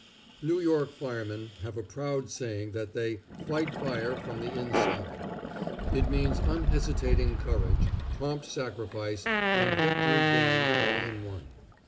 New York firemen have a proud saying that they "fight fire from the inside." It means unhesitating courage, prompt sacrifice, and victory gained, all in one.